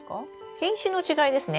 品種の違いですね。